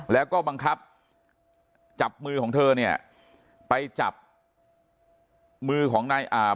แล้วก็บังคับจับมือของเธอเนี่ยไปจับมือของนายอ่า